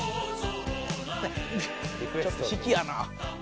ちょっと引きやなぁ。